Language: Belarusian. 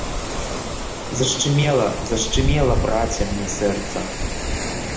Зашчымела, зашчымела, браце, мне сэрца!